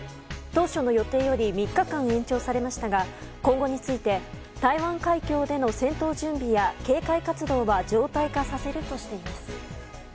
当初の予定より３日間延長されましたが今後について台湾海峡での戦闘準備や警戒活動は常態化させるとしています。